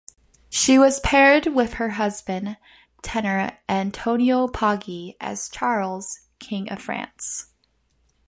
She was paired with her husband, tenor Antonio Poggi, as Charles, King of France.